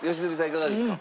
いかがですか？